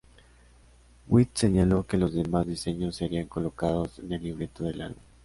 White señaló que los demás diseños serían colocados en el libreto del álbum.